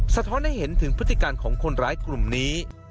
สะท้อนให้เห็นถึงพฤติการของคนร้ายกลุ่มนี้